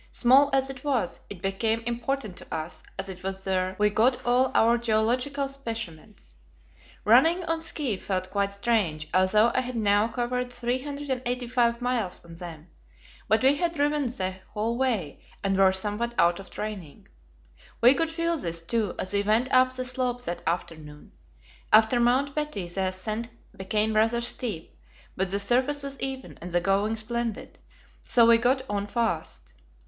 Small as it was, it became important to us, as it was there we got all our geological specimens. Running on ski felt quite strange, although I had now covered 385 miles on them; but we had driven the whole way, and were somewhat out of training. We could feel this, too, as we went up the slope that afternoon. After Mount Betty the ascent became rather steep, but the surface was even, and the going splendid, so we got on fast.